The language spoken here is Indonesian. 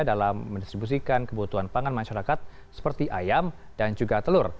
dalam mendistribusikan kebutuhan pangan masyarakat seperti ayam dan juga telur